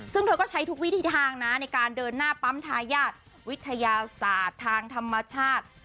ซึ่งเธอก็ใช้ทุกวิธีทางนะในการเดินหน้าปั๊มทายาทวิทยาศาสตร์ทางธรรมชาติ